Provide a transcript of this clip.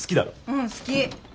うん好き。